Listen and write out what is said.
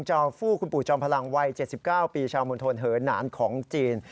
เจ้าผู้คุณปู่จอมพลังวัย๗๙ปีชาวมนตร์เผินเหนารของจีน